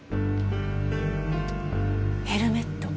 ヘルメット？